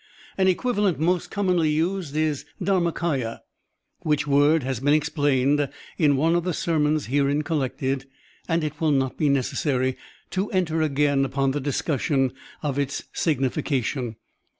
An equivalent most commonly used is DharmaMya, which word has been explained in one of the sermons herein collected, and it will not be necessary to enter again upon the discussion of its signification.